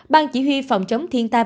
ban chỉ huy phòng chống thiên tai